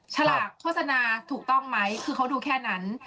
ฉลากโฆษณาถูกต้องไหมคือเขาดูแค่นั้น